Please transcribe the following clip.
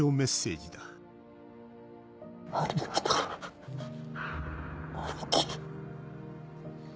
ありがとう兄貴